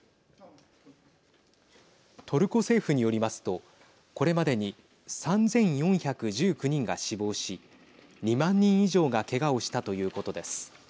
トルコ政府によりますとこれまでに３４１９人が死亡し２万人以上がけがをしたということです。